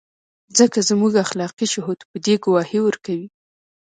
ځکه زموږ اخلاقي شهود په دې ګواهي ورکوي.